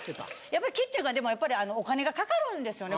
やっぱりキッチンがお金がかかるんですよね